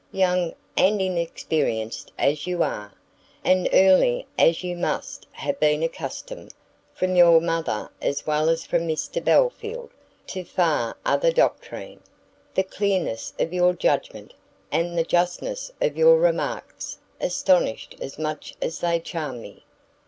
Young and inexperienced as you are, and early as you must have been accustomed, from your mother as well as from Mr Belfield, to far other doctrine, the clearness of your judgment, and the justness of your remarks, astonish as much as they charm me."